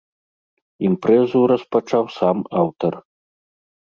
Імпрэзу распачаў сам аўтар.